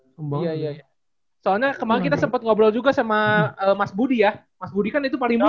iya iya iya soalnya kemaren kita sempet ngobrol juga sama mas budi ya mas budi kan itu pari muda tuh